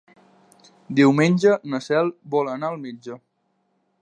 Diumenge na Cel vol anar al metge.